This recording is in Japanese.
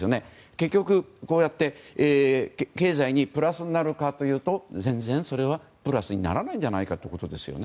結局、こうして経済にプラスになるかというと全然それはプラスにならないんじゃないかということですよね。